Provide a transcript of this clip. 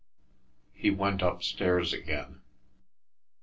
He went upstairs again.